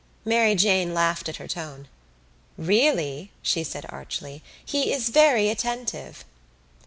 Mary Jane laughed at her tone. "Really," she said archly, "he is very attentive."